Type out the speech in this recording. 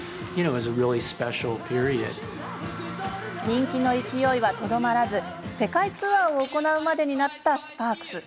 人気の勢いはとどまらず世界ツアーを行うまでになったスパークス。